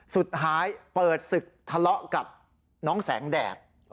สุดท้ายเปิดศึกทะเลาะกับน้องแสงแดด